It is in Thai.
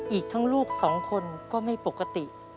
อีกทั้งลูกสองคนก็ไม่ปกติ